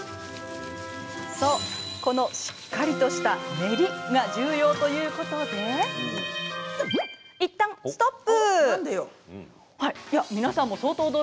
そう、このしっかりとした練りが重要ということでいったん、ストップ！